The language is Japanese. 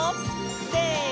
せの！